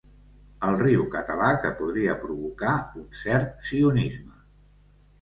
El riu català que podria provocar un cert sionisme.